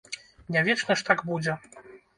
Не вечна ж так будзе.